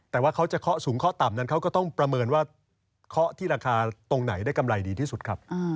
แต่ว่าเขาจะเคาะสูงเคาะต่ำนั้นเขาก็ต้องประเมินว่าเคาะที่ราคาตรงไหนได้กำไรดีที่สุดครับ